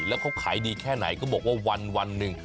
แล้วเขาขายดีแค่ไหนเขาบอกว่าวันหนึ่ง